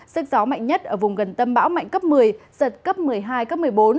sức gió mạnh nhất ở vùng gần tâm bão mạnh cấp một mươi giật cấp một mươi hai cấp một mươi bốn